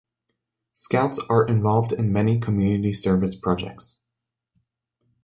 Scouts are involved in many community service projects.